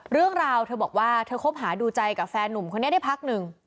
เรื่องราวเธอบอกว่าเธอคบหาดูใจกับแฟนหนุ่มคนนี้ได้พักหนึ่ง